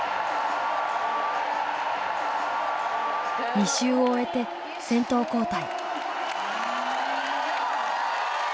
２周を終えて先頭交代。